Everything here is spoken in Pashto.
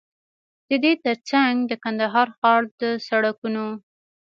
ددې تر څنګ د کندهار ښار د سړکونو